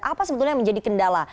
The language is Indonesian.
apa sebetulnya yang menjadi kendala